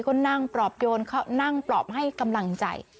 ก็นั่งปลอบโยนนั่งปลอบให้กำลังใจ